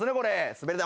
滑り台